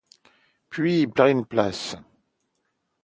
puis ils prennent la place.